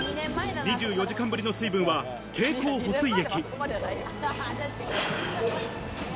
２４時間ぶりの水分が経口補水液。